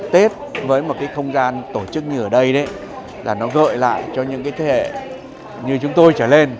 tết với một cái không gian tổ chức như ở đây là nó gợi lại cho những cái thế hệ như chúng tôi trở lên